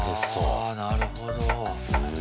あ、なるほど。